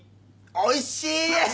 おいしい！